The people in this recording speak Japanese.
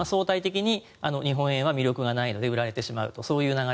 相対的に日本円は魅力がないので売られてしまうと。